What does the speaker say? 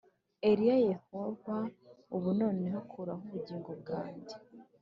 Eliya yehova ubu noneho kuraho ubugingo bwanjye